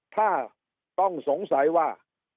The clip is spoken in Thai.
ถ้าต้องสงสัยว่า